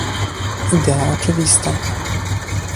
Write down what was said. Idea oczywista